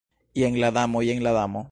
Jen la Damo, jen la Damo!